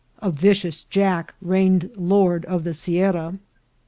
A vicious jack reigned lord of the sierra.